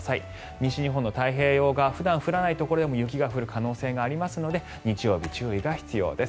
西日本の太平洋側普段降らないところでも雪が降る可能性がありますので日曜日、注意が必要です。